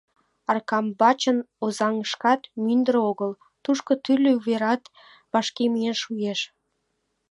Аркамбачын Озаҥышкат мӱндыр огыл, тушко тӱрлӧ уверат вашке миен шуэш.